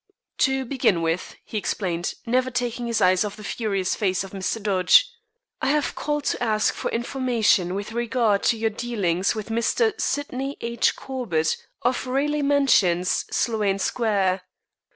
"To begin with," he explained, never taking his eyes off the furious face of Mr. Dodge, "I have called to ask for information with regard to your dealings with Mr. Sydney H. Corbett, of Raleigh Mansions, Sloane Square."